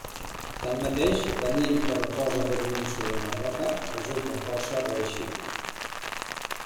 Tanmateix, l'anyell que reposa dormint sobre una roca, resulta força reeixit.